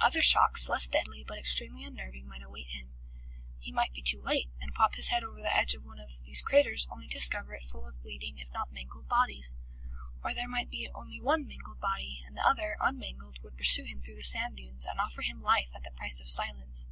Other shocks, less deadly but extremely unnerving, might await him. He might be too late, and pop his head over the edge of one of these craters only to discover it full of bleeding if not mangled bodies. Or there might be only one mangled body, and the other, unmangled, would pursue him through the sand dunes and offer him life at the price of silence.